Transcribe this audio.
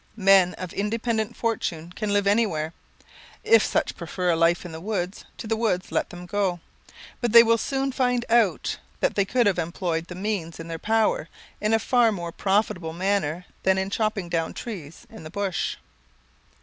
Men of independent fortune can live anywhere. If such prefer a life in the woods, to the woods let them go; but they will soon find out that they could have employed the means in their power in a far more profitable manner than in chopping down trees in the bush.